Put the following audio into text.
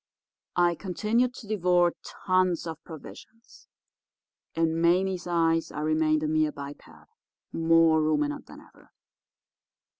I continued to devour tons of provisions. In Mame's eyes I remained a mere biped, more ruminant than ever.